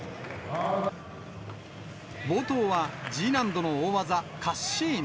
冒頭はＧ難度の大技、カッシーナ。